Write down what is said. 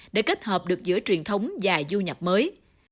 để kết hợp được giữa truyền thống và du nhập mới